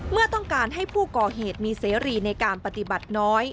เมื่อต้องการให้ผู้ก่อเหตุมีเสรีในการปฏิบัติน้อย